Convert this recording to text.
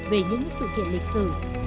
về những sự kiện lịch sử